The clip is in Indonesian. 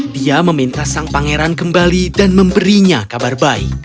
dia meminta sang pangeran kembali dan memberinya kabar baik